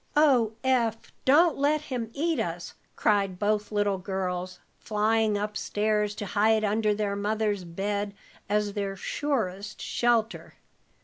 "Oh, Eph, don't let him eat us," cried both little girls, flying up stairs to hide under their mother's bed, as their surest shelter.